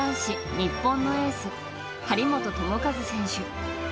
日本のエース張本智和選手。